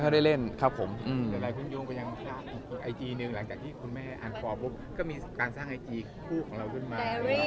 ต่อด้านอะไรรึเปล่า